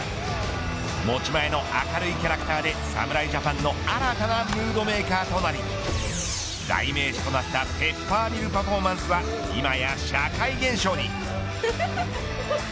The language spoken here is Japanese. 持ち前の明るいキャラクターで侍ジャパンの新たなムードメーカーとなり代名詞となったペッパーミルパフォーマンスは今や社会現象に。